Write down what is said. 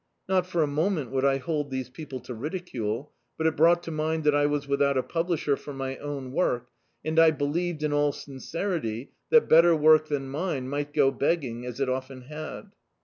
Not for a moment would I hold these people to ridicule, but it brought to mind Uiat I was without a publisher for my own work, and I believed, in all sincerity, that better work than mine might go beg ging, as it often had.